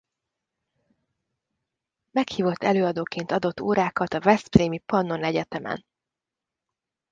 Meghívott előadóként adott órákat a Veszprémi Pannon Egyetemen.